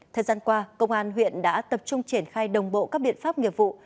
thời gian qua công an huyện đã tập trung triển khai đồng bộ các biện pháp nghiệp vụ